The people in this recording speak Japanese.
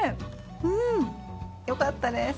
うん！よかったです。